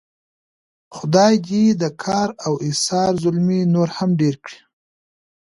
خدای دې د کار او ایثار زلمي نور هم ډېر کړي.